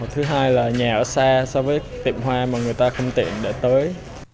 thứ hai là nhà ở xa so với tiệm hoa mà người ta không tiện để tới